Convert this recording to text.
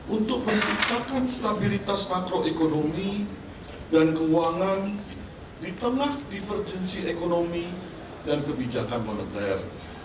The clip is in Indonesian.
untuk menciptakan stabilitas makroekonomi dan keuangan di tengah divergensi ekonomi dan kebijakan moneter